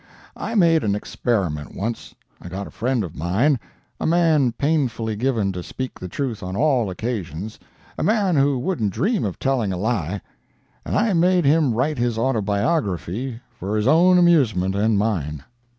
"I made an experiment once. I got a friend of mine—a man painfully given to speak the truth on all occasions—a man who wouldn't dream of telling a lie—and I made him write his autobiography for his own[Pg 176] amusement and mine.